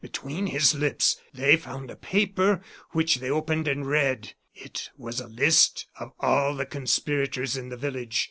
Between his lips they found a paper, which they opened and read. It was a list of all the conspirators in the village.